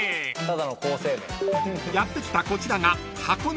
［やって来たこちらが］